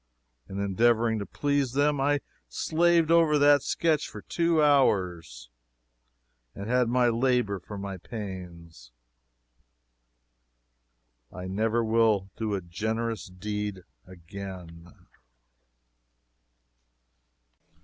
In endeavoring to please them I slaved over that sketch for two hours, and had my labor for my pains. I never will do a generous deed again.